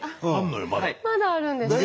まだあるんです。